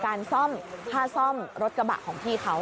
การซ่อมค่าซ่อมรถกระบะของพี่เขา